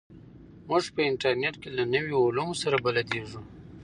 موږ په انټرنیټ کې له نویو علومو سره بلدېږو.